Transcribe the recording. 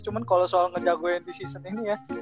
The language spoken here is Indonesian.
cuman kalau soal ngejagoin di season ini ya